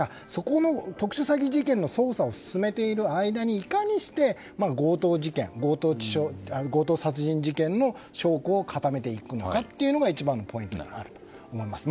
特殊詐欺事件の捜査を進めている間にいかにして強盗殺人事件の証拠を固めていくのかが一番のポイントになると思います。